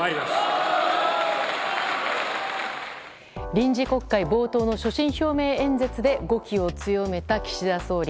臨時国会冒頭の所信表明演説で語気を強めた岸田総理。